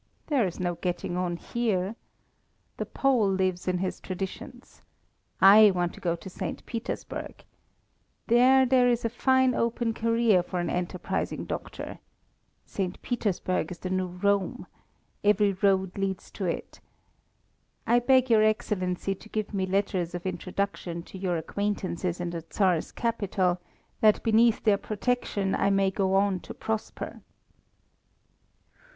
There is no getting on here. The Pole lives in his traditions. I want to go to St. Petersburg. There there is a fine open career for an enterprising doctor. St. Petersburg is the new Rome. Every road leads to it. I beg your Excellency to give me letters of introduction to your acquaintances in the Tsar's capital, that beneath their protection I may go on to prosper."